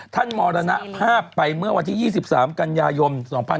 ท่านมรณภาพไปเมื่อวันที่๒๓กัญญายม๒๕๕๘